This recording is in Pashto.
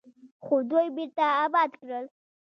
خو دوی بیرته اباد کړل.